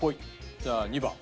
じゃあ２番。